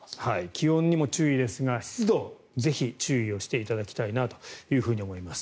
気温にも注意ですが湿度ぜひ注意していただきたいなと思います。